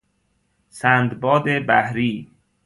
سندباد بحری